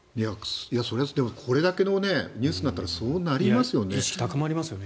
それはこれだけのニュースになったらそうなりますよね。